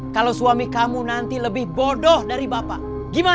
kalau suami kamu nanti lebih bodoh dari bapak